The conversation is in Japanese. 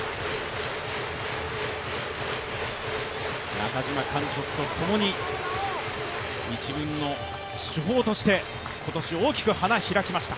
中嶋監督とともに１軍の主砲として、今年大きく花開きました。